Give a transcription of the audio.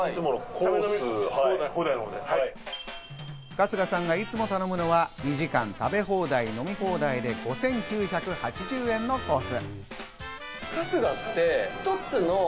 春日さんがいつも頼むのは、２時間食べ放題・飲み放題で５９８０円のコース。